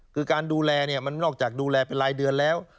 คือการดูแลเนี่ยมันนอกจากดูแลเป็นรายเดือนแล้ว